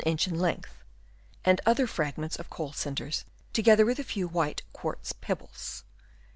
inch in length ; and other fragments of coal cinders together with a few white quartz pebbles.